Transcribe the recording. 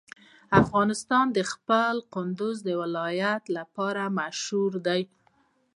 افغانستان د خپل کندهار ولایت لپاره مشهور دی.